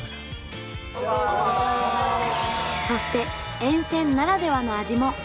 そして沿線ならではの味も。